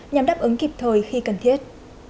nhằm đáp ứng kịp thời khi cần thiết